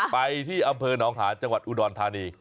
ไปที่อำเภอหนองหานจังหวัดอุดรธานี